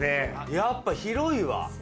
やっぱ広いわ。